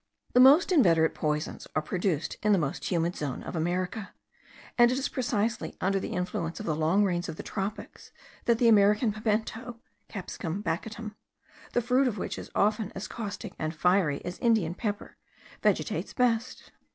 The most inveterate poisons are produced in the most humid zone of America; and it is precisely under the influence of the long rains of the tropics that the American pimento (Capsicum baccatum), the fruit of which is often as caustic and fiery as Indian pepper, vegetates best.